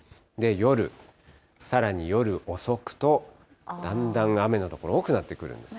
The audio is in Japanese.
夜、さらに夜遅くと、だんだん雨の所が多くなってくるんですね。